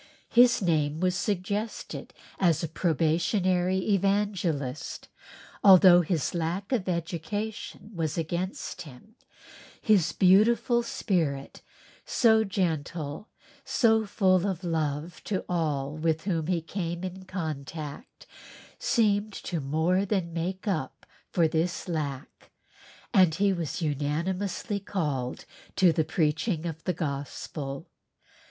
His name was suggested as a probationary evangelist, and although his lack of education was against him, his beautiful spirit, so gentle, and so full of love to all with whom he came in contact, seemed to more than make up for this lack and he was unanimously called to the preaching of the Gospel.